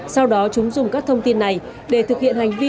sau đó chúng dùng các thông tin này để thực hiện hành vi